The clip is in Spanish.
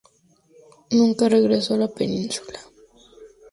Nunca regresó a la península.